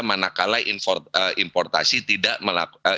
manakala importasi tidak melakukan